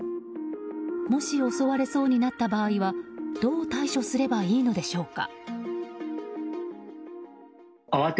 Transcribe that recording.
もし襲われそうになった場合はどう対処すればいいのでしょうか。